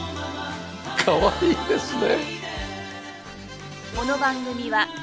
かわいいですね。